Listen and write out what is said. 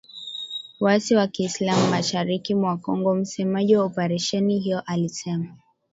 waasi wa kiislam mashariki mwa Kongo, msemaji wa oparesheni hiyo alisema